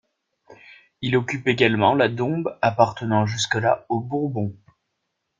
Il occupe également la Dombes appartenant jusque-là aux Bourbons.